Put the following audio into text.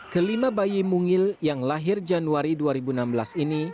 kelima bayi mungil yang lahir januari dua ribu enam belas ini